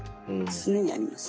常にあります。